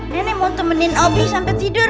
nenek mau temenin obi sampai tidur